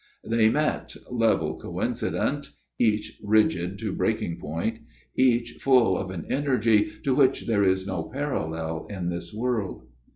They met, level, coincident each rigid to breaking point each full of an energy to which there is no parallel in this world.